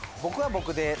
僕は僕で。